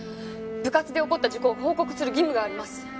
部活で起こった事故を報告する義務があります。